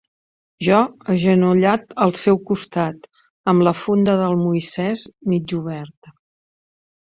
Jo agenollat al seu costat, amb la funda del Moisès mig oberta.